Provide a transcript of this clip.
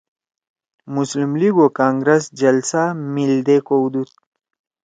مسلم لیگ او کانگرس جلسہ میِلدے کؤدُود